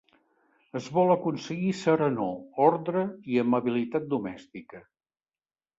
Es vol aconseguir serenor, ordre i amabilitat domèstica.